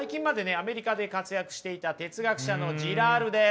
アメリカで活躍していた哲学者のジラールです。